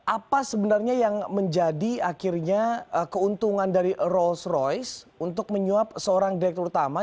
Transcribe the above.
apa sebenarnya yang menjadi akhirnya keuntungan dari rolls royce untuk menyuap seorang direktur utama